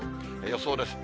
予想です。